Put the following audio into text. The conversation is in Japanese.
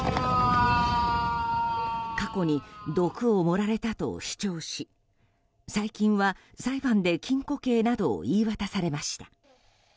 過去に、毒を盛られたと主張し最近は裁判で禁錮刑などを言い渡されました。